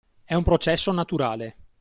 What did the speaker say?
È un processo naturale.